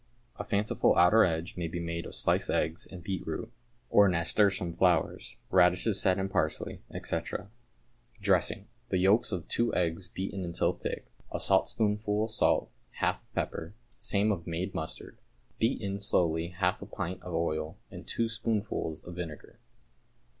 A fanciful outer edge may be made of sliced eggs and beetroot, or nasturtium flowers, radishes set in parsley, &c. Dressing. The yolks of two eggs beaten until thick, a saltspoonful of salt, half of pepper, same of made mustard. Beat in slowly half a pint of oil and two spoonsful of vinegar.